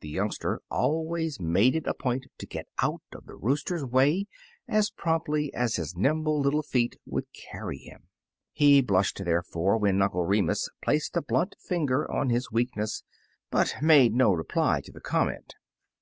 The youngster always made it a point to get out of the rooster's way as promptly as his nimble little feet would carry him. He blushed, therefore, when Uncle Re mus placed a blunt finger on his weakness, but make no reply to the comment.